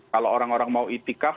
kalau orang orang mau itikaf